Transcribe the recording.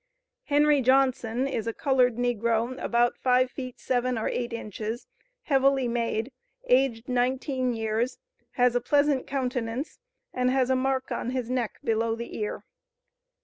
"Henry Johnson is a colored negro, about five feet seven or eight inches, heavily made, aged nineteen years, has a pleasant countenance, and has a mark on his neck below the ear.